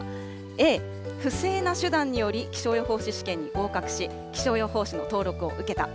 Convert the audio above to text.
ａ、不正な手段により、気象予報士試験に合格し、気象予報士の登録を受けた。